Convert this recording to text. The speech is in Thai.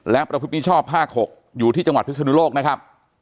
และประพฤติมิชชอบภาค๖อยู่ที่จังหวัดพิศนุโลกนะครับ